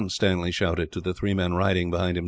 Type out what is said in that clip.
Stanley shouted, to the three men riding behind him.